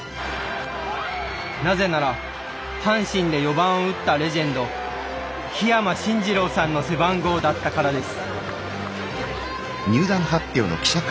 なぜなら阪神で４番を打ったレジェンド桧山進次郎さんの背番号だったからです。